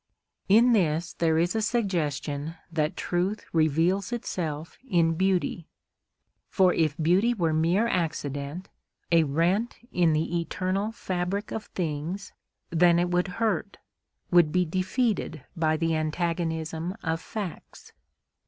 In this there is a suggestion that truth reveals itself in beauty. For if beauty were mere accident, a rent in the eternal fabric of things, then it would hurt, would be defeated by the antagonism of facts.